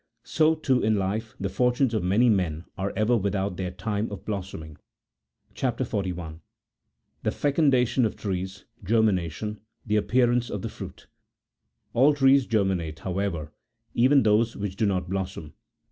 So, too, in life, the fortunes of many men are ever without their time of blossoming. CHAP. 41. THE FECUNDATION OF TREES. GEEMINATION : THE APPEARANCE OF THE FRUIT. All trees germinate, however,81 even those which do not blossom.